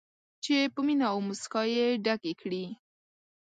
چې په مینه او موسکا یې ډکې کړي.